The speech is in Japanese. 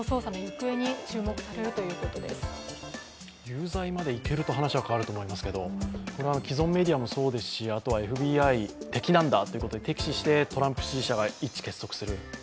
有罪までいけると話は変わると思いますけど既存メディアもそうですしＦＢＩ、敵なんだということで敵視してトランプ支持者が一致結束する。